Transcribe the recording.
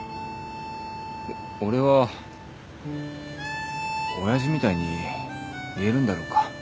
俺は親父みたいに言えるんだろうか。